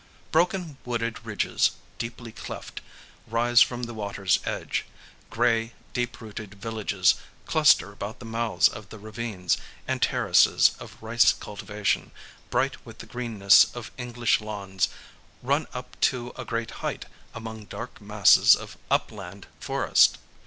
Broken wooded ridges, deeply cleft, rise from the water's edge, gray, deep roofed villages cluster about the mouths of the ravines, and terraces of rice cultivation, bright with the greenness of English lawns, run up to a great height among dark masses of upland forest.